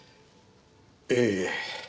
ええ。